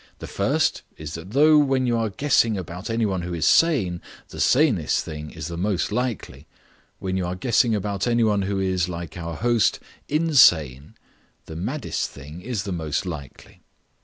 The first is that though when you are guessing about any one who is sane, the sanest thing is the most likely; when you are guessing about any one who is, like our host, insane, the maddest thing is the most likely.